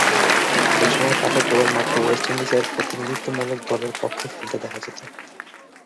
ঐ সময়ে তাকে কেবলমাত্র ওয়েস্ট ইন্ডিজের প্রতিনিধিত্বমূলক দলের পক্ষে খেলতে দেখা যেতো।